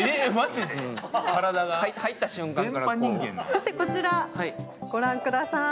そしてこちらご覧ください。